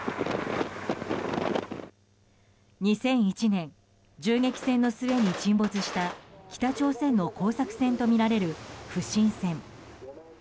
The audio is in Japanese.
２００１年銃撃戦の末に沈没した北朝鮮の工作船とみられる不審船。